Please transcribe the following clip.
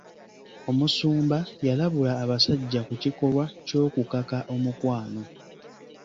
Omusumba yalabula abasajja ku kikolwa ky'okukaka omukwano.